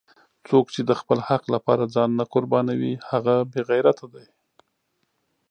څوک چې د خپل حق لپاره ځان نه قربانوي هغه بېغیرته دی!